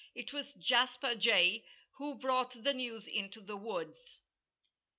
It was Jasper Jay who brought the news into the woods.